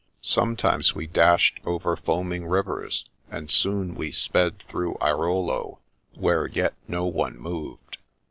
Some times we dashed over foaming rivers, and soon we sped through Airolo, where yet no one moved.